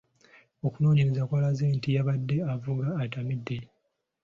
Okunoonyereza kwalaze nti yabadde avuga atamidde.